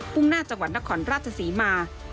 ่งหน้าจังหวัดนครราชศรีมา